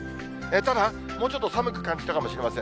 ただ、もうちょっと寒く感じたかもしれません。